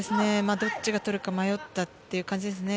どっちが取るか迷ったという形ですね。